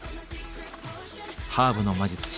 ハーブの魔術師